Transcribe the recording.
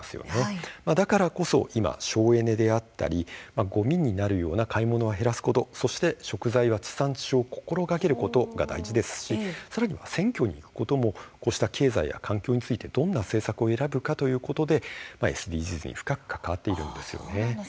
だからこそ今、省エネであったりごみになるような買い物は減らすことそして食材は地産地消を心がけることが大事ですしさらには選挙に行くこともこうした経済や環境についてどんな政策を選ぶかということでＳＤＧｓに深く関わっているんですよね。